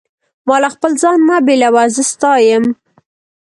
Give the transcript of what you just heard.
ما له خپل ځانه مه بېلوه، زه ستا یم.